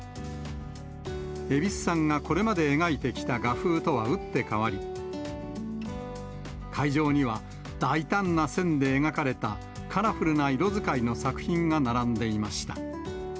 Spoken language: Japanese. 蛭子さんがこれまで描いてきた画風とは打って変わり、会場には、大胆な線で描かれた、カラフルな色使いの作品が並んでいました。